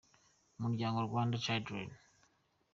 umuryango Rwanda Children.